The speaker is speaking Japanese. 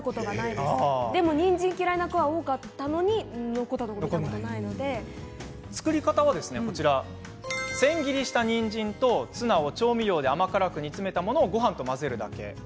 でも、にんじん嫌いな子は千切りした、にんじんとツナを調味料で甘辛く煮詰めたものをごはんと混ぜるだけです。